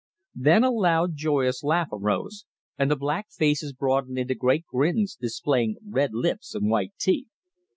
Then a loud, joyous laugh arose, and the black faces broadened into great grins, displaying red lips and white teeth.